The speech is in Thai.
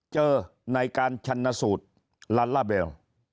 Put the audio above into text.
เจอในการชันสูตรลัลลาเบล